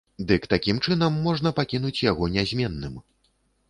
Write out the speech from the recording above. Дык такім чынам можна пакінуць яго нязменным.